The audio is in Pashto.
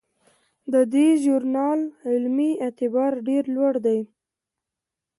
د دې ژورنال علمي اعتبار ډیر لوړ دی.